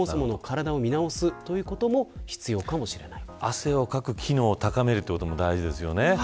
汗をかく機能を高めることも大事ですよね。